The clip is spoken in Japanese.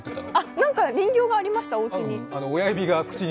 なんか人形がありました、おうちに。